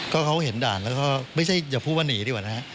ก็เขาเห็นด่านแล้วก็ไม่ใช่อย่าพูดว่าหนีดีกว่านะฮะ